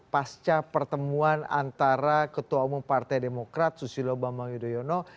pasca pertemuan antara ketua umum partai demokrat susilo bambang yudhoyono